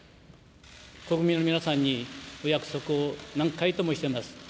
国民の皆さんに、お約束を何回ともしてます。